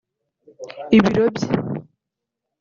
ibiro bye